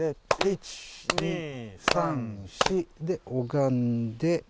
１２３４。で拝んで。